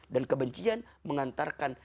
dan kebencian mengantarkan